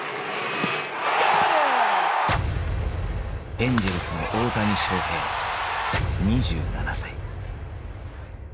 エンジェルスの大谷翔平２７歳。